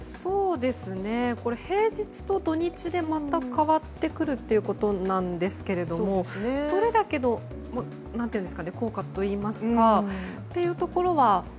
平日と土日でまた変わってくるということなんですがどれだけの効果といいますかそういうところは。